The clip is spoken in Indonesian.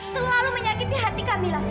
selalu menyakiti hati kamila